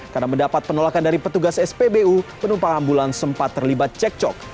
karena mendapat penolakan dari petugas spbu penumpang ambulans sempat terlibat cekcok